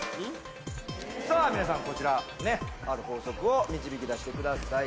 皆さんこちらある法則を導き出してください。